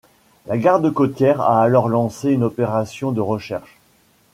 La Garde côtière a alors lancé une opération de recherche.